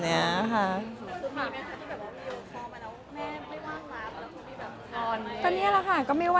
คุณแม่ยังอยู่ที่กองยังถ่ายเมสเซตอะไรอย่างนี้ค่ะ